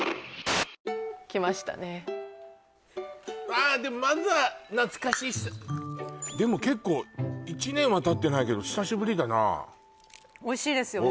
あーでもまずは懐かしいでも結構１年はたってないけど久しぶりだなおいしいですよね